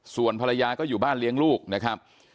ส่วนภรรยาก็อยู่บ้านเลี้ยงลูกนะครับ